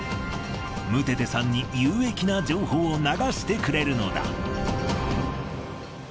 ムテテさんに有益な情報を流してくれるのだ。